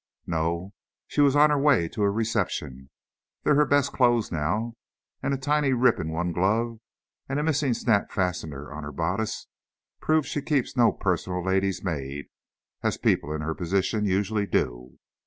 "No. She was on her way to a reception. They're her best clothes now. And a tiny rip in one glove and a missing snap fastener on her bodice proves she keeps no personal lady's maid, as people in her position usually do.